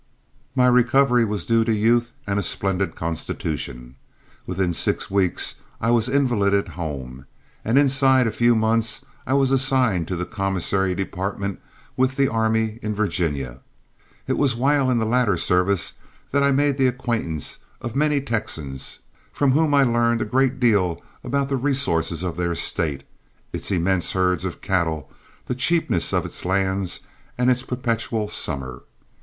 My recovery was due to youth and a splendid constitution. Within six weeks I was invalided home, and inside a few months I was assigned to the commissary department with the army in Virginia. It was while in the latter service that I made the acquaintance of many Texans, from whom I learned a great deal about the resources of their State, its immense herds of cattle, the cheapness of its lands, and its perpetual summer.